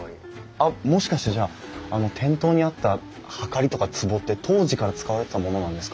あっもしかしてじゃあ店頭にあったはかりとかつぼって当時から使われてたものなんですか？